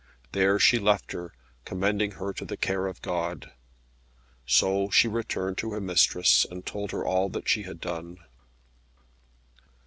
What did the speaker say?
There she left her, commending her to the care of God. So she returned to her mistress, and told her all that she had done.